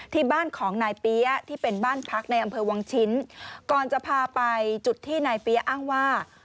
ที่บ้านของนายเปี๊ยะที่เป็นบ้านพักในอำเภอวังชิ้นก่อนจะพาไปจุดที่นายเปี๊ยะอ้างว่า